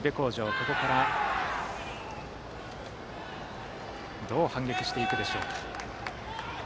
ここからどう反撃していくか。